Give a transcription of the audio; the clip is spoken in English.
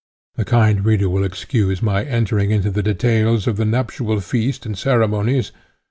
The kind reader will excuse my entering into the details of the nuptial feast and ceremonies.